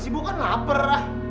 ibu kan lapar